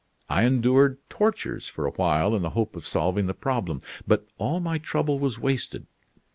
I endured tortures for a while in the hope of solving the problem. But all my trouble was wasted.